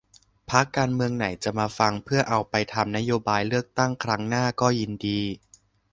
พรรคการเมืองไหนจะมาฟังเพื่อเอาไปทำนโยบายเลือกตั้งครั้งหน้าก็ยินดี